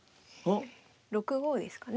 ６五ですかね。